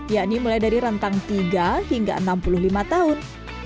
yakni mulai dari rentang tiga hingga enam puluh lima tahun